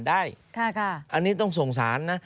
อันนี้ต้องส่งสารนะ